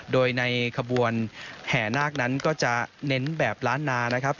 โดยในขบวนแห่นาคนั้นก็จะเน้นแบบล้านนานะครับ